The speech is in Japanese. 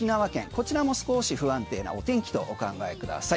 こちらも少し不安定なお天気とお考えください。